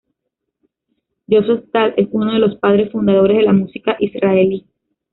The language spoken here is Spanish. Josef Tal es uno de los padres fundadores de la música israelí.